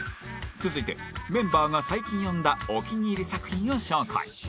続いてメンバーが最近読んだお気に入り作品を紹介